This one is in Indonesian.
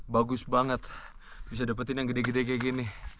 bagus banget bisa dapetin yang gede gede kayak gini